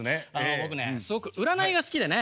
僕ねすごく占いが好きでね。